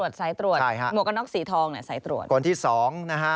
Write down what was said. หมวกกันน็อกสีทองเนี่ยใส่ตรวจ